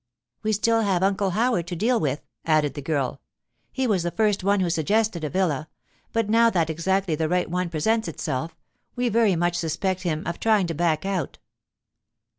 'We still have Uncle Howard to deal with,' added the girl. 'He was the first one who suggested a villa, but now that exactly the right one presents itself, we very much suspect him of trying to back out.